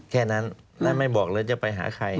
แค่นั้นและไม่บอกเลยจะไปหาใคร